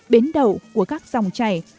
bến đậu của các dòng chảy